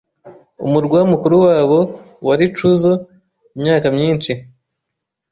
Umurwa mukuru wabo wari Cuzco imyaka myinshi.